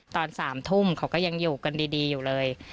ตอน๓ทุ่มเขาก็ยังอยู่กันดีอยู่เลย